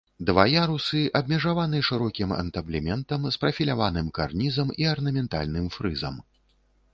Два ярусы абмежаваны шырокім антаблементам з прафіляваным карнізам і арнаментальным фрызам.